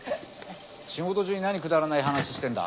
仕事中になにくだらない話してんだ？